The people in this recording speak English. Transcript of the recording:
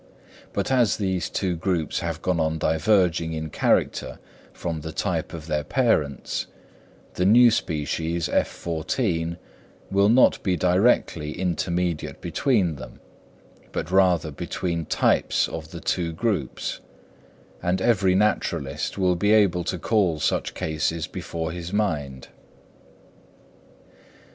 But as these two groups have gone on diverging in character from the type of their parents, the new species (F14) will not be directly intermediate between them, but rather between types of the two groups; and every naturalist will be able to call such cases before his mind.